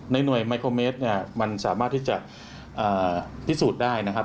หน่วยไมโครเมสเนี่ยมันสามารถที่จะพิสูจน์ได้นะครับ